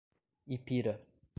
Ipira